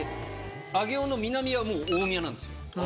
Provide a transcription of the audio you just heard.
上尾の南はもう大宮なんですよ。